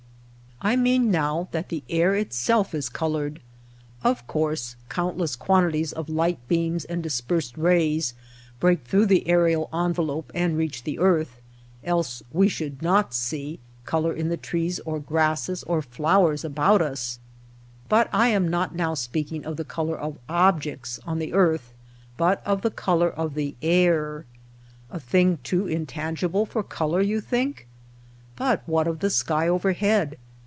I mean now that the air itself is colored. Of course countless quantities of light beams and dispersed rays break through the aerial envelope and reach the earth, else we should not see color in the trees or grasses or flowers about us ; but I am not now speaking of the color of objects on the earth, but of the color of the air. A thing too intangible for color you think ? But what of the sky overhead